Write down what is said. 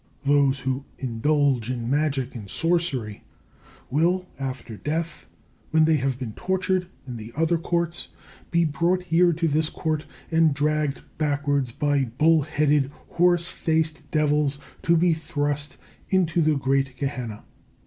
Those who indulge in magic and sorcery will, after death, when they have been tortured in the other Courts, be brought here to this Court, and dragged backwards by bull headed horse faced devils to be thrust into the great Gehenna.